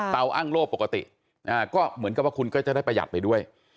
อ้างโล่ปกติก็เหมือนกับว่าคุณก็จะได้ประหยัดไปด้วย